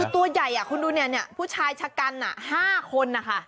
ตัวใหญ่คุณดูเนี่ยผู้ชายชะกัน๕คนนะคะ